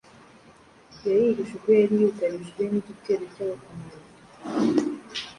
yarihishe ubwo yari yugarijwe n'igitero cy'abakomando